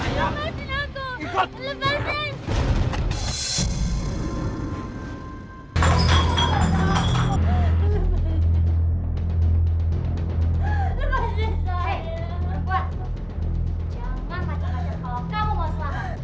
jangan macam macam kalau kamu mau selamat